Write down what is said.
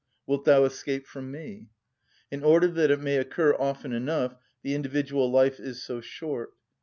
Wilt thou escape from me?" In order that it may occur often enough, the individual life is so short.